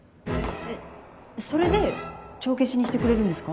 それで帳消しにしてくれるんですか？